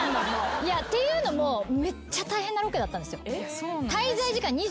っていうのもめっちゃ大変なロケだったんですよ。